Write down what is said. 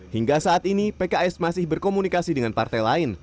hingga saat ini pks masih berkomunikasi dengan partai lain